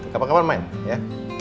kapan kapan main ya